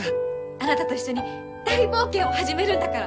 あなたと一緒に大冒険を始めるんだから！